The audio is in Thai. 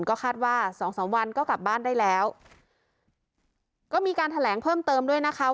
ก็คาดว่าสองสามวันก็กลับบ้านได้แล้วก็มีการแถลงเพิ่มเติมด้วยนะคะ